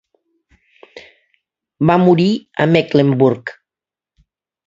Va morir a Mecklenburg.